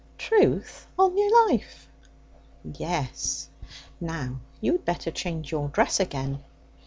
'Truth on your life?' 'Yes. Now you'd better change your dress again.'